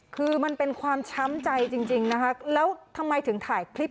คือมันเป็นความช้ำใจจริงนะคะแล้วทำไมถึงถ่ายคลิป